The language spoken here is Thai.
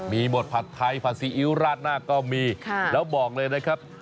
มีหมดผัดไทยผัดซีอิ๊วราดหน้าก็มีแล้วบอกเลยนะครับ